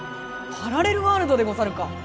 パラレルワールドでござるか！